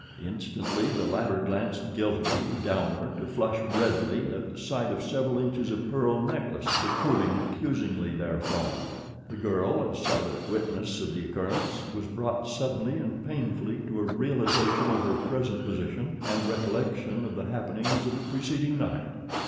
Instantly the latter glanced guiltily downward to flush redly at the sight of several inches of pearl necklace protruding accusingly therefrom. The girl, a silent witness of the occurrence, was brought suddenly and painfully to a realization of her present position and recollection of the happenings of the preceding night.